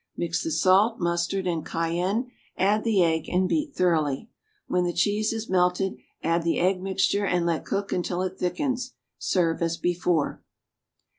Mix the salt, mustard and cayenne, add the egg, and beat thoroughly. When the cheese is melted, add the egg mixture and let cook until it thickens. Serve as before.